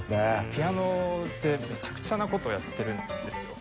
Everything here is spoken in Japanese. ピアノでめちゃくちゃな事をやってるんですよ。